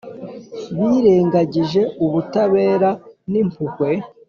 birengagije ubutabera n’impuhwe